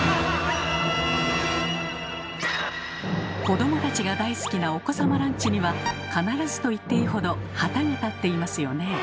子どもたちが大好きなお子様ランチには必ずと言っていいほど旗が立っていますよね。